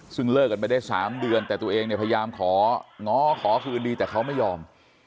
ซึ่งเลิกกันไปได้๓เดือนแต่ตัวเองเนี่ยพยายามของ้อขอคืนดีแต่เขาไม่ยอม